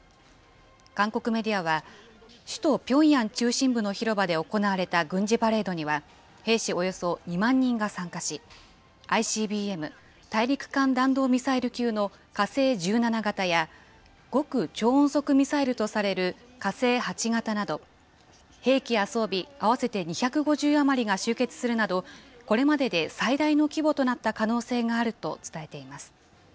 韓国メディアは、首都ピョンヤン中心部の広場で行われた軍事パレードには、兵士およそ２万人が参加し、ＩＣＢＭ・大陸間弾道ミサイル級の火星１７型や、極超音速ミサイルとされる火星８型など、兵器や装備合わせて２５０余りが集結するなど、これまでで最大の規模となった可能性があると伝えています。